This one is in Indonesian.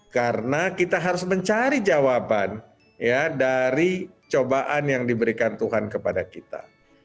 karena kita harus mencari jawaban dari cobaan yang diberikan tuhan kepada kita